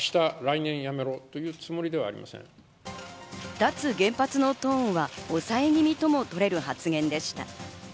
脱原発のトーンは抑え気味ともとれる発言でした。